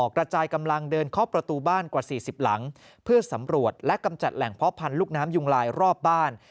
กระจายกำลังเดินเคาะประตูบ้านกว่า๔๐หลังเพื่อสำรวจและกำจัดแหล่งเพาะพันธุ์ลูกน้ำยุงลายรอบบ้าน